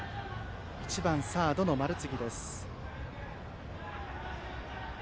１番サード、丸次。